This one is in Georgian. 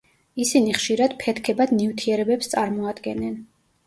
ისინი ხშირად ფეთქებად ნივთიერებებს წარმოადგენენ.